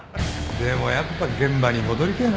でもやっぱ現場に戻りてえな。